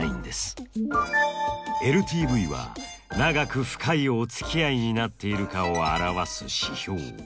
ＬＴＶは長く深いおつきあいになっているかを表す指標。